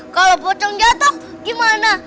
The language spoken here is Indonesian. kalau pocong jatuh gimana